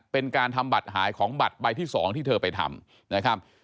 เป็นการทำบัตรหายของบัตรใบที่๒ที่เธอไปทำนะครับ